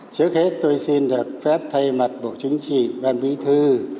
trước hết tôi xin được phép thay mặt bộ chính trị ban bí thư